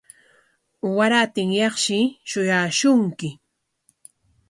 Warantinyaqshi shuyaashunki.